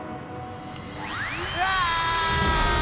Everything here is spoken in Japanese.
うわ！